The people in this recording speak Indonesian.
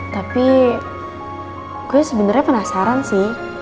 tapi gue sebenarnya penasaran sih